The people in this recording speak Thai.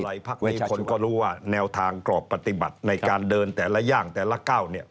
ถ้าทำอะไรพักนี้คนก็รู้ว่าแนวทางกรอบปฏิบัติในการเดินแต่ละย่างแต่ละก้าว